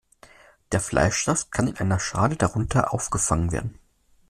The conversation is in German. Der Fleischsaft kann in einer Schale darunter aufgefangen werden.